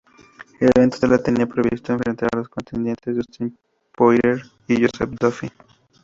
El evento estelar tenía previsto enfrentar a los contendientes Dustin Poirier y Joseph Duffy.